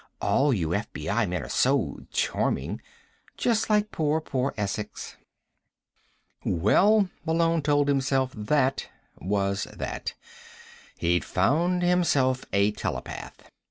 All of you FBI men are so charming. Just like poor, poor Essex." Well, Malone told himself, that was that. He'd found himself a telepath.